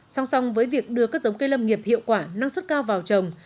song song với việc đưa các giống cây lâm nghiệp hiệu quả năng suất cao vào trồng